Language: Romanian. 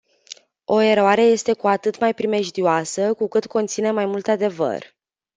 O eroare este cu atât mai primejdioasă, cu cât conține mai mult adevăr.